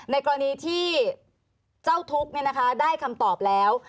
ในกรณีที่เจ้าทุกข์ได้คำตอบแล้ว